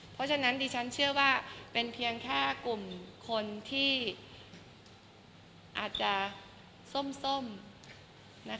เพราะฉะนั้นดีชั้นเชื่อว่าเป็นเพียงแค่กลุ่มคนที่อาจจะส้มนะคะมาต่อว่า